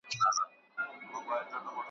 ژړا نه وه څو پیسوته خوشالي وه ,